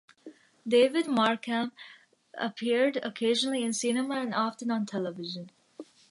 David Markham appeared occasionally in cinema and often on television.